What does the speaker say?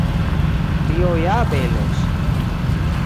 Tio ja belos!